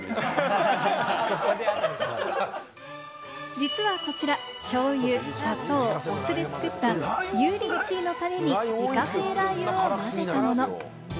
実はこちら、しょうゆ、砂糖、お酢で作った油淋鶏のタレに自家製ラー油を混ぜたもの。